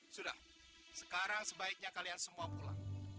sudah sekarang sebaiknya kalian semua pulang